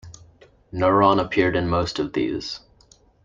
Neron appeared in most of these.